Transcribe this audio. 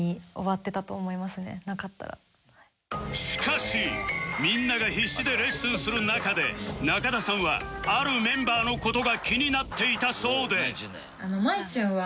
しかしみんなが必死でレッスンする中で中田さんはあるメンバーの事が気になっていたそうで